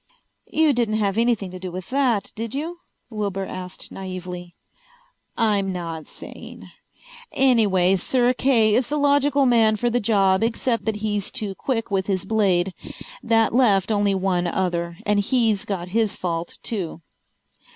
"You didn't have anything to do with that, did you?" Wilbur asked naively. "I'm not saying. Anyway, Sir Kay is the logical man for the job, except that he's too quick with his blade. That left only one other, and he's got his fault too."